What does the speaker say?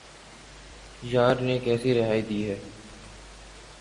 یار نے کیسی رہائی دی ہے